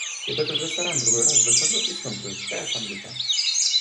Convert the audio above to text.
Я даже в ресторан, другой раз, захожу и смотрю, какая там еда.